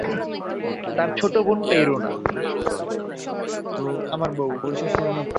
তার ছোট বোন পেইরোনা।